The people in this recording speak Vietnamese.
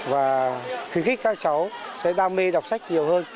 và khuyến khích các cháu sẽ đam mê đọc sách nhiều hơn